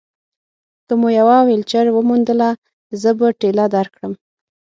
که مو یوه ویلچېر وموندله، زه به ټېله درکړم.